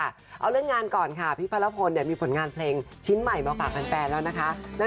เอาเรื่องงานก่อนค่ะพี่พระรพลมีผลงานเพลงชิ้นใหม่มาฝากแฟนแล้วนะคะ